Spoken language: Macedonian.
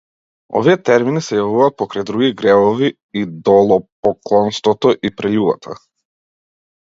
Овие термини се јавуваат покрај други гревови идолопоклонството и прељубата.